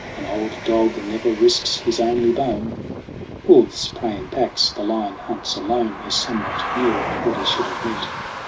An old dog never risks his only bone." 'Wolves prey in packs, the lion hunts alone' Is somewhat nearer what he should have meant.